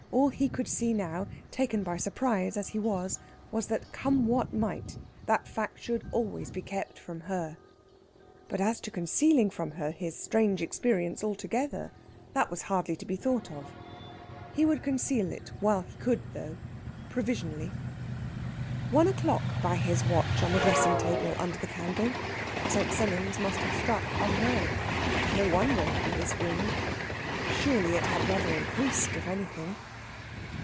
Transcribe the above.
All he could see now taken by surprise as he was was that, come what might, that fact should always be kept from her. But as to concealing from her his strange experience altogether, that was hardly to be thought of. He would conceal it while he could, though, provisionally. One o'clock by his watch on the dressing table under the candle. St. Sennans must have struck unheard. No wonder in this wind! Surely it had rather increased, if anything.